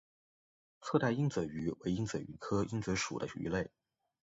侧带鹦嘴鱼为鹦嘴鱼科鹦嘴鱼属的鱼类。